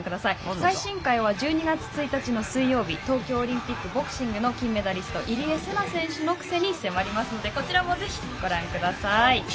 最新回は１２月１日の水曜日東京オリンピックボクシングの金メダリスト入江聖奈選手のクセに迫りますのでこちらもぜひ、ご覧ください。